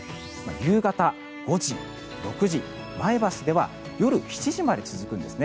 夕方５時、６時前橋では夜７時まで続くんです。